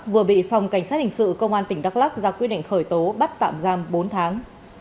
vừa bị phòng cảnh sát hình sự công an tỉnh đắk lắc ra quyết định khởi tố bắt tạm giam bốn tháng